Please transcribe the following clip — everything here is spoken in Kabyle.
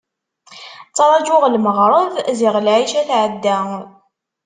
Ttrajuɣ lmeɣreb, ziɣ lɛica tɛedda!